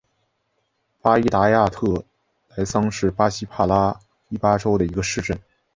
巴伊亚达特莱桑是巴西帕拉伊巴州的一个市镇。